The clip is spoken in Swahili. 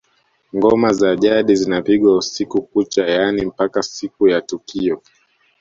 Ngoma za jadi zinapigwa usiku kucha yaani mpaka siku ya tukio